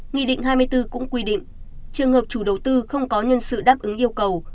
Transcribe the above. nghị định hai mươi bốn cũng quy định trường hợp chủ đầu tư không có nhân sự đáp ứng yêu cầu